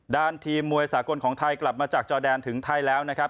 ทีมมวยสากลของไทยกลับมาจากจอแดนถึงไทยแล้วนะครับ